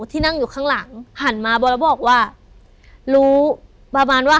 ที่นั่งอยู่ข้างหลังหันมาบอกแล้วบอกว่ารู้ประมาณว่า